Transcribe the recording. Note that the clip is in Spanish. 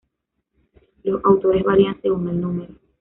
Los autores varían según el número.